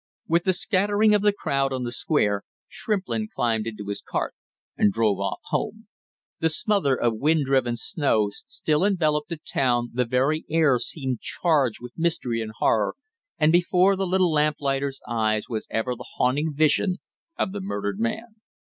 With the scattering of the crowd on the Square, Shrimplin climbed into his cart and drove off home. The smother of wind driven snow still enveloped the, town, the very air seemed charged with mystery and horror, and before the little lamplighter's eyes was ever the haunting vision of the murdered man.